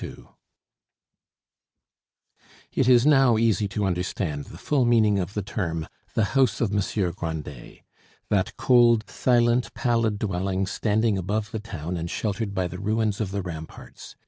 II It is now easy to understand the full meaning of the term, "the house of Monsieur Grandet," that cold, silent, pallid dwelling, standing above the town and sheltered by the ruins of the ramparts.